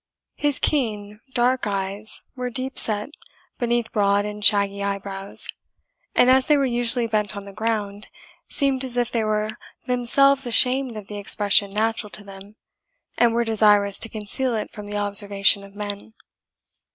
His keen, dark eyes were deep set beneath broad and shaggy eyebrows, and as they were usually bent on the ground, seemed as if they were themselves ashamed of the expression natural to them, and were desirous to conceal it from the observation of men.